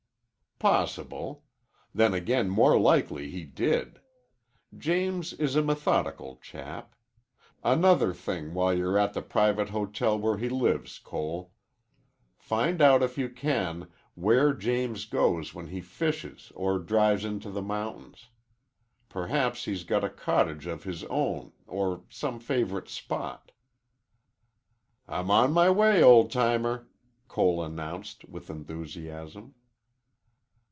"Possible. Then again more likely he did. James is a methodical chap. Another thing, while you're at the private hotel where he lives, Cole. Find out if you can where James goes when he fishes or drives into the mountains. Perhaps he's got a cottage of his own or some favorite spot." "I'm on my way, old timer!" Cole announced with enthusiasm.